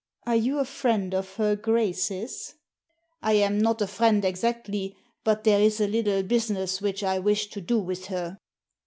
"Are you a friend of her Grace's?" "I am not a friend exactly, but there is a little business which I wish to do with her."